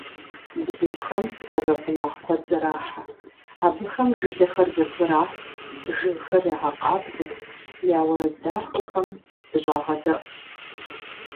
Бзухэм сэбэпынагъ куэд зэрахьэ. Абыхэм жылэхэр зэбгырах, жыгхэр ягъэкъабзэ, я уэрэд дахэхэм дыщӀагъэдэӀу.